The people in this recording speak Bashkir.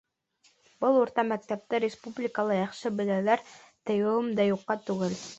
Был урта мәктәпте республикала яҡшы беләләр, тиеүем дә юҡҡа түгел.